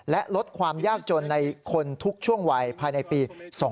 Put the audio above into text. และลดความยากจนในคนทุกช่วงวัยภายในปี๒๕๖